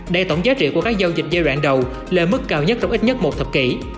để tổng giá trị của các giao dịch giai đoạn đầu lên mức cao nhất trong ít nhất một thập kỷ